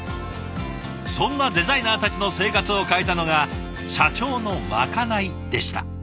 そんなデザイナーたちの生活を変えたのが社長のまかないでした。